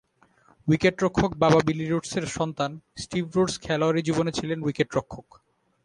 উইকেটরক্ষক বাবা বিলি রোডসের সন্তান স্টিভ রোডস খেলোয়াড়ি জীবনে ছিলেন উইকেটরক্ষক।